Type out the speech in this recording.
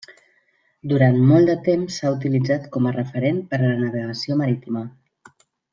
Durant molt de temps s'ha utilitzat com a referent per a la navegació marítima.